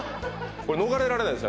これ逃れられないです